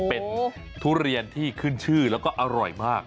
เป็นทุเรียนที่ขึ้นชื่อแล้วก็อร่อยมาก